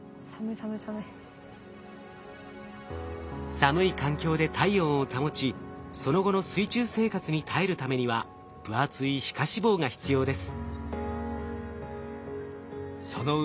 寒い環境で体温を保ちその後の水中生活に耐えるためには分厚い皮下脂肪が必要です。